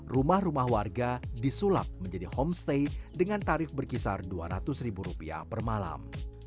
rumah rumah warga disulap menjadi homestay dengan tarif berkisar dua ratus ribu rupiah per malam